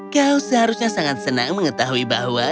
kau seharusnya sangat senang mengetahui bahwa